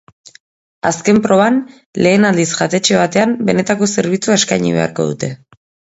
Azken proban, lehen aldiz jatetxe batean benetako zerbitzua eskaini beharko dute.